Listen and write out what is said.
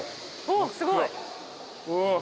おっすごい！